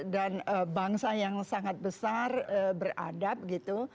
dan bangsa yang sangat besar beradab gitu